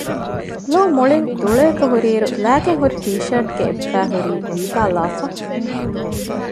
ލޯ މުޅިން ދުޅަވެފަ ހުރި އިރު ލައިގެން ހުރި ޓީޝާޓުގެ އެއްބައި ހުރީ ވީދާލާފަ